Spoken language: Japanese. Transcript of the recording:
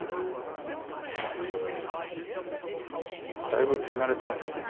だいぶ手慣れてますね。